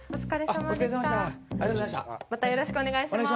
またよろしくお願いします。